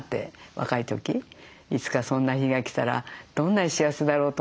若い時いつかそんな日が来たらどんなに幸せだろうと思って。